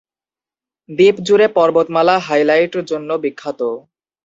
দ্বীপ জুড়ে পর্বতমালা হাইলাইট জন্য বিখ্যাত।